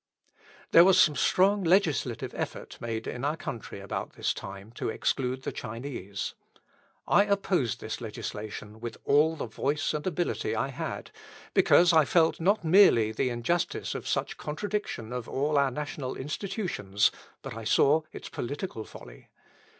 There was some strong legislative effort made in our country about this time to exclude the Chinese. I opposed this legislation with all the voice and ability I had, because I felt not merely the injustice of such contradiction of all our national institutions, but I saw its political folly.